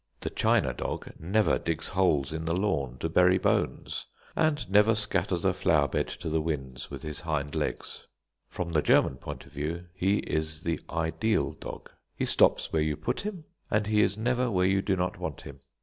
The china dog never digs holes in the lawn to bury bones, and never scatters a flower bed to the winds with his hind legs. From the German point of view, he is the ideal dog. He stops where you put him, and he is never where you do not want him.